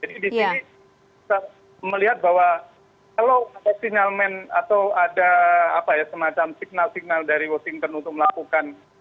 jadi disini kita melihat bahwa kalau ada signalmen atau ada semacam signal signal dari washington untuk melakukan